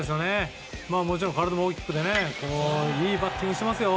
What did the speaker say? もちろん体も大きくていいバッティングしていますよ。